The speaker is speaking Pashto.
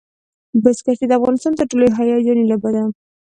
بزکشي د افغانستان تر ټولو هیجاني لوبه ده.